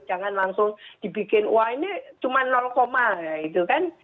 jangan langsung dibikin wah ini cuma koma gitu kan